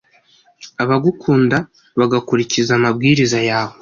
abagukunda bagakurikiza amabwiriza yawe.